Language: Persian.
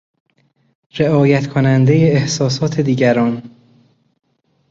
رعایت کنندهی احساسات دیگران